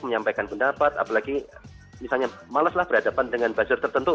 menyampaikan pendapat apalagi misalnya maleslah berhadapan dengan buzzer tertentu